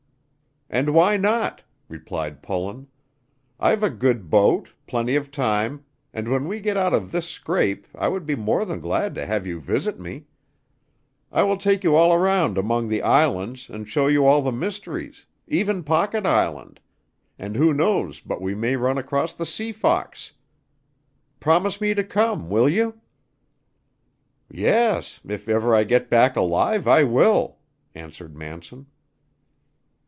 "And why not?" replied Pullen. "I've a good boat, plenty of time, and when we get out of this scrape I would be more than glad to have you visit me. I will take you all around among the islands and show you all the mysteries, even Pocket Island, and who knows but we may run across the Sea Fox? Promise me to come, will you?" "Yes, if ever I get back alive I will," answered Manson.